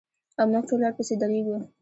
او موږ ټول ورپسې درېږو.